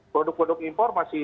produk produk impor masih